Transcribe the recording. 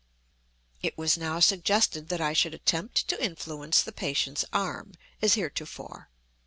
It was now suggested that I should attempt to influence the patient's arm, as heretofore.